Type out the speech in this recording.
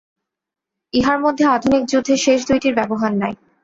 ইহার মধ্যে আধুনিক যুদ্ধে শেষ দুইটির ব্যবহার নাই।